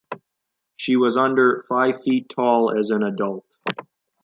She was under five feet tall as an adult.